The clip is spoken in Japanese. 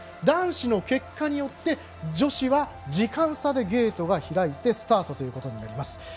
男子の結果によって女子は時間差でゲートが開いてスタートということになります。